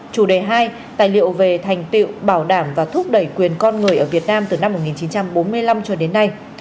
chủ đề hai tài liệu về thành tiệu bảo đảm và thúc đẩy quyền con người ở việt nam từ năm một nghìn chín trăm bốn mươi năm cho đến nay